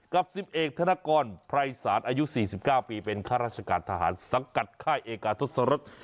กับ๑๑ธนกรไพรศาสตร์อายุ๔๙ปีเป็นข้าราชการทหารสังกัดค่ายเอกาทศรษ